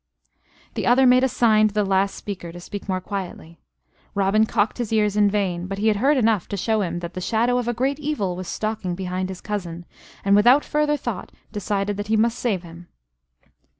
The other made a sign to the last speaker to speak more quietly. Robin cocked his ears in vain, but he had heard enough to show him that the shadow of a great evil was stalking behind his cousin, and without further thought decided that he must save him.